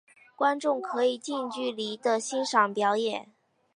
观众可以近距离地欣赏表演。